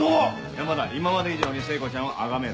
山田今まで以上に聖子ちゃんを崇めろ。